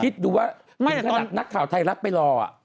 โอเคคิดดูว่าเนอ่นหนักข่าวไทยรักไปรอ